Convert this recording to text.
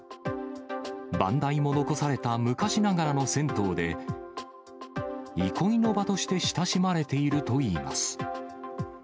番台も残された昔ながらの銭湯で、憩いの場として親しまれているといいます。